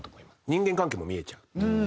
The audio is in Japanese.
人間関係も見えちゃうという。